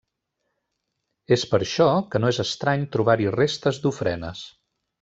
És per això que no és estrany trobar-hi restes d'ofrenes.